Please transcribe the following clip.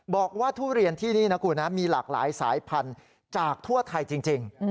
ทุเรียนที่นี่นะคุณนะมีหลากหลายสายพันธุ์จากทั่วไทยจริง